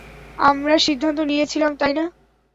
আমরা সিদ্ধান্ত নিয়েছিলাম, তাই না?